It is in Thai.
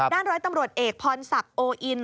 ร้อยตำรวจเอกพรศักดิ์โออิน